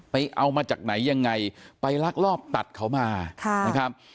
เอามาจากไหนยังไงไปลักลอบตัดเขามานะครับ